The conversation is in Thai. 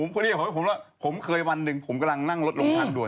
พี่ผมเคยวันหนึ่งผมกำลังนั่งรถลงทางด้วย